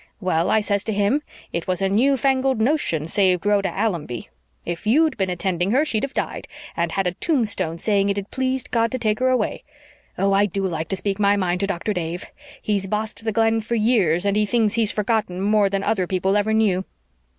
'Well,' I says to him, 'it was a new fangled notion saved Rhoda Allonby. If YOU'D been attending her she'd have died, and had a tombstone saying it had pleased God to take her away.' Oh, I DO like to speak my mind to Dr. Dave! He's bossed the Glen for years, and he thinks he's forgotten more than other people ever knew.